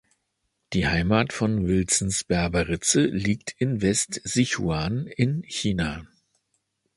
Die Heimat von Wilsons Berberitze liegt in West-Sichuan in China.